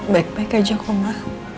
baik baik aja koma